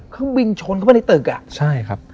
เพิ่งบิงชนเข้าไปในตึก